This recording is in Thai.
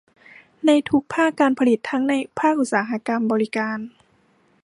ในทุกภาคการผลิตทั้งในภาคอุตสาหกรรม บริการ